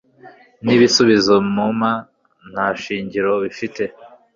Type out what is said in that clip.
n'ibisubizo mumpa nta shingiro bifite